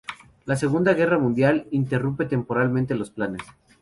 La Segunda Guerra Mundial interrumpe temporalmente los planes.